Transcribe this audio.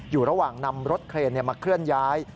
อยู่ระหว่างนำรถเครนมาเคลื่อนย้าย